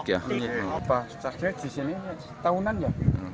pak cahyo di sini setahunan ya